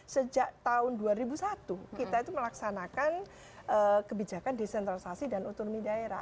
sejak tahun dua ribu satu kita itu melaksanakan kebijakan desentralisasi dan otonomi daerah